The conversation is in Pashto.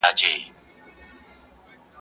o غل شړه، نو نه تر خپله کوره.